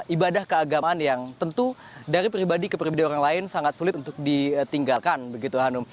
ibadah keagamaan yang tentu dari pribadi ke pribadi orang lain sangat sulit untuk ditinggalkan begitu hanum